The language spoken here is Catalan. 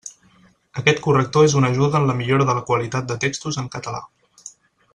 Aquest corrector és una ajuda en la millora de la qualitat de textos en català.